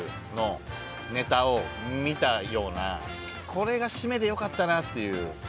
これが締めでよかったなっていう。